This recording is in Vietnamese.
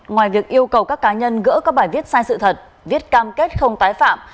ngoài việc yêu cầu các cá nhân gỡ các bài viết sai sự thật viết cam kết không tái phạm